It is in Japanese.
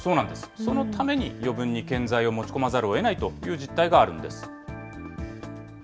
そのために余分に建材を持ち込まざるをえないという実態があるんです。